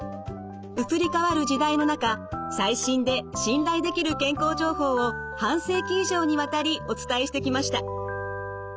移り変わる時代の中最新で信頼できる健康情報を半世紀以上にわたりお伝えしてきました。